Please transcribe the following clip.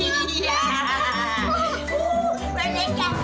itu ada apa lihat